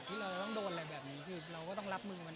ที่เราต้องโดนอะไรแบบนี้คือเราก็ต้องรับมือมัน